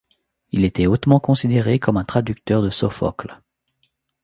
Il était hautement considéré comme un traducteur de Sophocle.